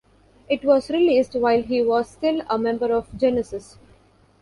It was released while he was still a member of Genesis.